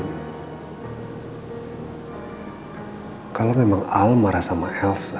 hai kalau memang al marah sama elsa